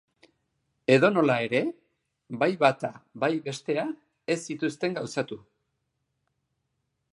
Edonola ere, bai bata bai bestea ez zituzten gauzatu.